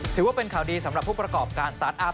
ถือว่าเป็นข่าวดีสำหรับผู้ประกอบการสตาร์ทอัพ